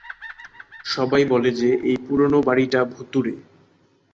সবাই বলে যে এই পুরানো বাড়িটা ভুতুড়ে।